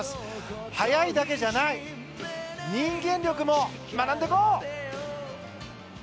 速いだけじゃない人間力も学んでこう！